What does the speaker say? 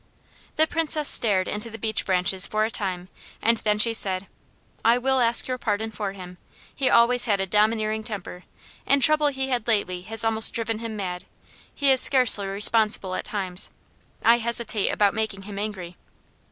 The Princess stared into the beech branches for a time and then she said: "I will ask your pardon for him. He always had a domineering temper, and trouble he had lately has almost driven him mad; he is scarcely responsible at times. I hesitate about making him angry."